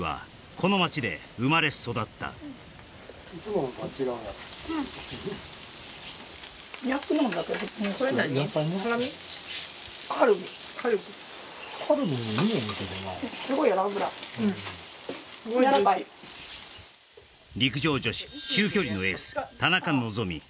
うん陸上女子中距離のエース田中希実